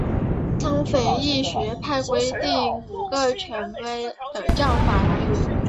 沙斐仪学派规定了五个权威的教法来源。